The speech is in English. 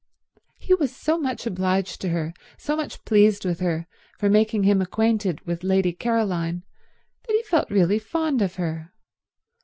He was so much obliged to her, so much pleased with her, for making him acquainted with Lady Caroline, that he felt really fond of her.